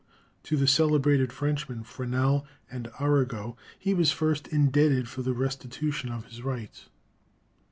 To the celebrated Frenchmen, Fresnel and Arago, he was first indebted for the restitution of his rights."